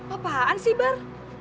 apaan sih bar